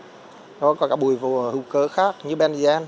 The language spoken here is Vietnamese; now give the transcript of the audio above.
hoặc các bùi vô cơ khác như benzene